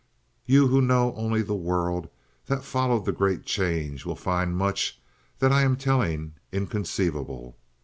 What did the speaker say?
You who know only the world that followed the Great Change will find much that I am telling inconceivable.